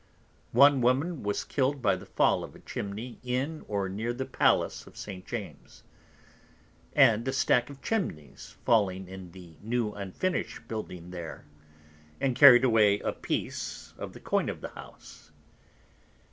One Woman was kill'd by the Fall of a Chimney in or near the Palace of St. James's, and a Stack of Chimneys falling in the new unfinish'd Building there, and carried away a Piece of the Coin of the House.